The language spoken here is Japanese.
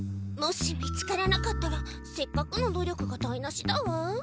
もし見つからなかったらせっかくの努力が台なしだわ。